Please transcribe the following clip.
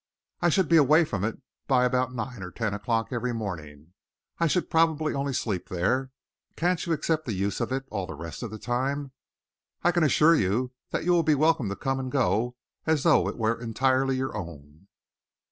I should be away from it by about nine or ten o'clock every morning. I should probably only sleep there. Can't you accept the use of it all the rest of the time? I can assure you that you will be welcome to come and go as though it were entirely your own."